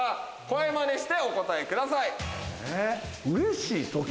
声マネしてお答えください。